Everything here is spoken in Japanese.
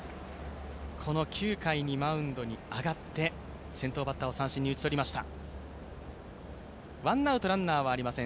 この９回にマウンドに上がって先頭バッターを三振に打ち取りました。